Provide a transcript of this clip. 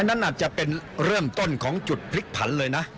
นั่นอาจจะเป็นเริ่มต้นของจุดพลิกผันเลยนะ